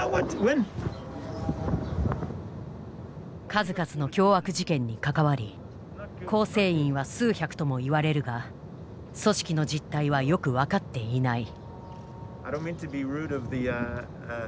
数々の凶悪事件に関わり構成員は数百ともいわれるが組織の実態はよく分かっていない。